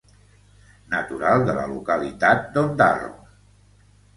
Natural de la localitat d'Ondarroa.